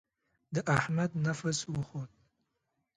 د احمد نفس وخوت.